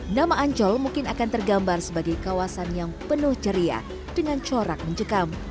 nama ancol mungkin akan tergambar sebagai kawasan yang penuh ceria dengan corak mencekam